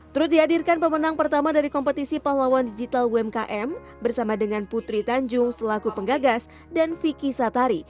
turut dihadirkan pemenang pertama dari kompetisi pahlawan digital umkm bersama dengan putri tanjung selaku penggagas dan vicky satari